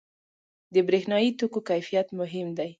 • د برېښنايي توکو کیفیت مهم دی.